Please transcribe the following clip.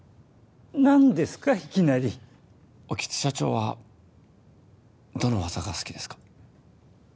何ですかいきなり興津社長はどの技が好きですか？